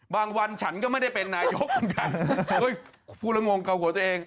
บางวันฉันก็ไม่ได้เป็นนายกเหมือนกันเฮ้ยพูดละงงเก่าของตัวเอง